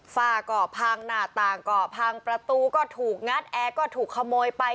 ฝาก่อพังหน้าต่างก็พังประตูก็ถูกงัดแอร์ก็ถูกขโมยไป